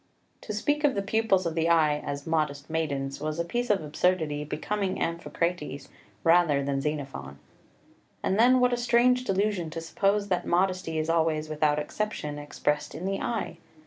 To speak of the pupils of the eye as "modest maidens" was a piece of absurdity becoming Amphicrates rather than Xenophon. And then what a strange delusion to suppose that modesty is always without exception expressed in the eye!